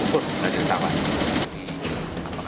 ini tidak bercerita orang orang ini